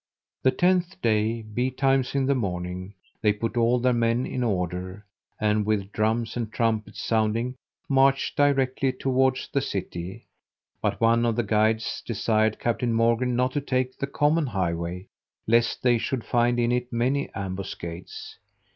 The tenth day, betimes in the morning, they put all their men in order, and, with drums and trumpets sounding, marched directly towards the city; but one of the guides desired Captain Morgan not to take the common highway, lest they should find in it many ambuscades.